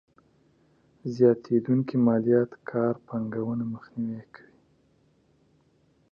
زياتېدونکې ماليات کار پانګونه مخنیوی کوي.